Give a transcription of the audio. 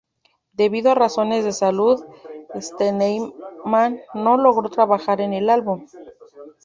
Debido a razones de salud, Steinman no logró trabajar en el álbum.